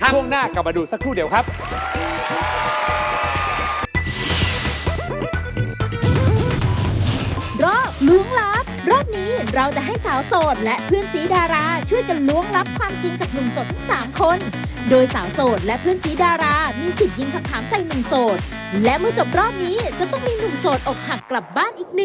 ช่วงหน้ากลับมาดูสักครู่เดียวครับ